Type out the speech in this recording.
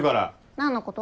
何のこと？